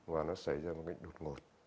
và nó xảy ra một cái đột ngột